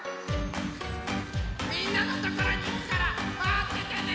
みんなのところにいくからまっててね！